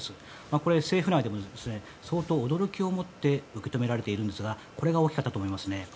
これは政府内でも相当、驚きをもって受け止められているんですがこれが大きかったと思いますね。